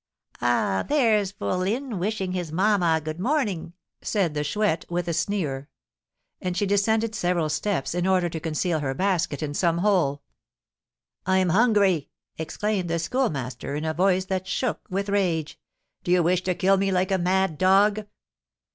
"Ah, there's fourline wishing his mamma good morning!" said the Chouette, with a sneer. And she descended several steps, in order to conceal her basket in some hole. "I'm hungry!" exclaimed the Schoolmaster, in a voice that shook with rage; "do you wish to kill me like a mad dog?"